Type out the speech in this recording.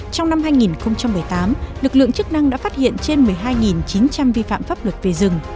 trong năm hai nghìn một mươi tám lực lượng chức năng đã phát hiện trên một mươi hai chín trăm linh vi phạm pháp luật về rừng